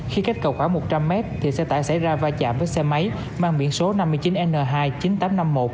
khi cách cầu khóa một trăm linh m xe tải xảy ra va chạm với xe máy mang biển số năm mươi chín n hai mươi chín nghìn tám trăm năm mươi một